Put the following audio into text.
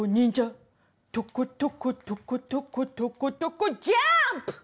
「とことことことことことこジャンプ！」